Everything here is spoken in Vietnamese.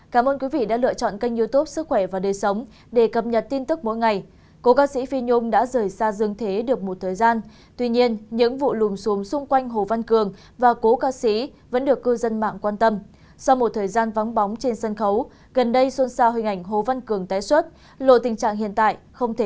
cảm ơn các bạn đã theo dõi và ủng hộ cho kênh youtube của chúng mình